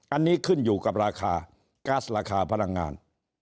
อันนี้ขึ้นอยู่กับราคาก๊าซราคาพลังงาน